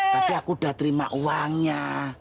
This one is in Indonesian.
tapi aku udah terima uangnya